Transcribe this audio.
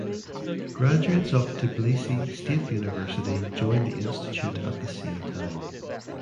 Graduates of Tbilisi State University joined the institute at the same time.